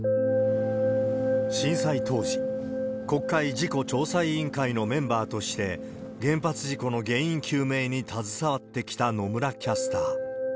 震災当時、国会事故調査委員会のメンバーとして原発事故の原因究明に携わってきた野村キャスター。